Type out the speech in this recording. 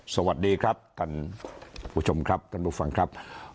สวัสดีครับท่านผู้ชมครับท่านผู้ฟังครับ